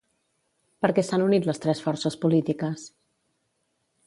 Per què s'han unit les tres forces polítiques?